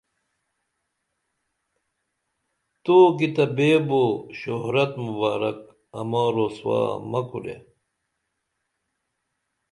توکی تہ بیو شہرت مبارک اما رسوا مہ کوریہ